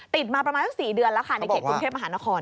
มาประมาณสัก๔เดือนแล้วค่ะในเขตกรุงเทพมหานคร